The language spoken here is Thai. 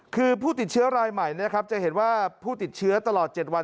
คือผู้ติดเชื้อรายใหม่นะครับจะเห็นว่าผู้ติดเชื้อตลอด๗วัน